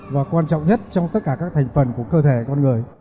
và quan trọng nhất trong tất cả các thành phần của cơ thể con người